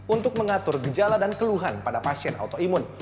untuk mengatur gejala dan keluhan pada pasien autoimun